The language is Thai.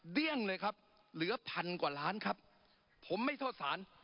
เดี้ยงเลยครับเหลือพันกว่าล้านครับผมไม่โทษสาร